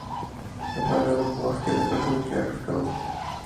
د بایللو په وخت کې د ګټونکي اکټ کوه.